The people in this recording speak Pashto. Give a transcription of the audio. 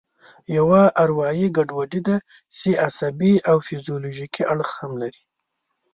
یوه اروایي ګډوډي ده چې عصبي او فزیولوژیکي اړخ هم لري.